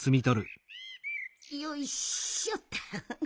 よいしょっと。